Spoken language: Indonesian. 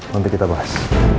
nanti kita bahas